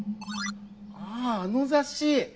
あああの雑誌。